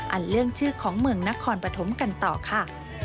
เรื่องชื่อของเมืองนครปฐมกันต่อค่ะ